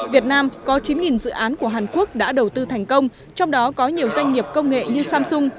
việt nam có chín dự án của hàn quốc đã đầu tư thành công trong đó có nhiều doanh nghiệp công nghệ như samsung